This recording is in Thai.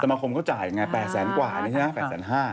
สมาครคมเขาจ่ายยังไง๘แสนกว่านะครับ๘แสนห้า